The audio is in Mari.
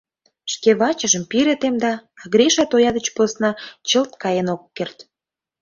Шке вачыжым пире темда, а Гриша тоя деч посна чылт каен ок керт.